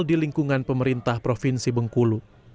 di lingkungan pemerintah provinsi bengkulu